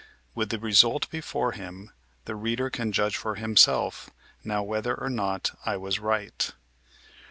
With the result before liini, the reader can judge for himself now whether or not 1 was right.